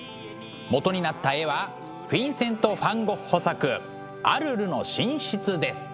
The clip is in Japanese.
元になった絵はフィンセント・ファン・ゴッホ作「アルルの寝室」です。